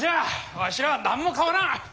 わしらは何も変わらん。